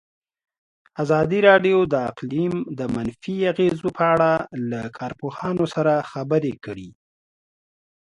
ازادي راډیو د اقلیم د منفي اغېزو په اړه له کارپوهانو سره خبرې کړي.